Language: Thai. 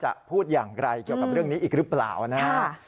พูดอย่างไรเกี่ยวกับเรื่องนี้อีกหรือเปล่านะครับ